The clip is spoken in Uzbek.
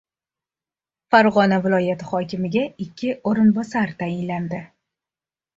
Farg‘ona viloyati hokimiga ikki o‘rinbosar tayinlandi